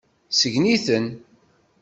Sgen-iten.